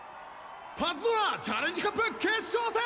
パズドラチャレンジカップ決勝戦！